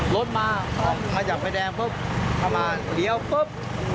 รถมามาจากไฟแดงปุ๊บเข้ามาเลี้ยวปุ๊บ